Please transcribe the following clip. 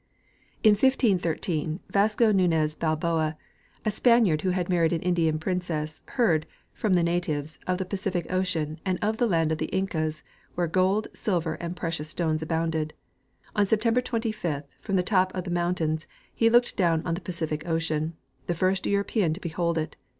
In 1513 Vasco Nunez Balboa, a Spaniard who had married an Indian princess, heard, from the natives, of the Pacific ocean and of the land of the Incas, where gold, silver and precious stones abounded. On September 25, from the top of the mountains tains»he looked down on the Pacific ocean, the first European to behold it.